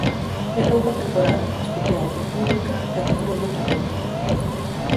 É roupa atemporal, especial, única e que dura moito tempo.